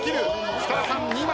設楽さん２枚。